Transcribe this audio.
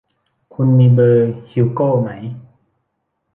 คุณมีเบอร์ฮิวโก้ไหม